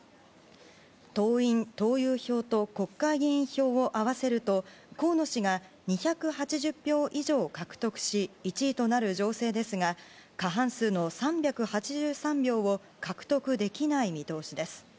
党員・党友票と国会議員票を合わせると河野氏が２８０票以上獲得し１位となる情勢ですが過半数の３８３票を獲得できない見通しです。